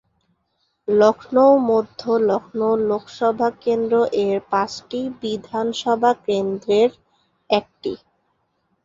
লখনউ মধ্য, লখনউ লোকসভা কেন্দ্র-এর পাঁচটি বিধানসভা কেন্দ্রের একটি।